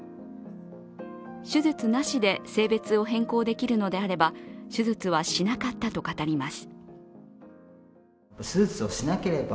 手術なしで性別変更できるのであれば手術はしなかったと語ります。